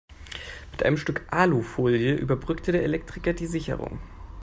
Mit einem Stück Alufolie überbrückte der Elektriker die Sicherung.